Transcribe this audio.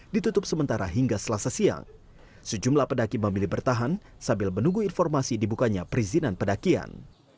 dan selasa siang sejumlah pedaki memilih bertahan sambil menunggu informasi dibukanya perizinan pedakian